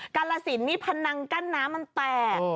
กาลสินนี่พนังกั้นน้ำมันแตก